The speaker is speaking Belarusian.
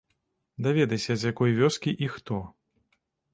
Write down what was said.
Даведайся, з якой вёскі і хто?